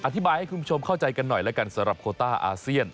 อธิบายให้คุณผู้ชมเข้าใจกันหน่อยสหรับโคต้าอาเซียน